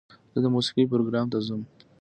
زه د موسیقۍ پروګرام ته ځم.